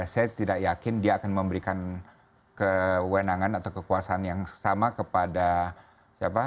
saya tidak yakin dia akan memberikan kewenangan atau kekuasaan yang sama kepada siapa